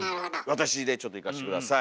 私でちょっといかして下さい。